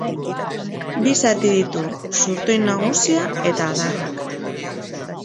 Bi zati ditu: zurtoin nagusia eta adarrak.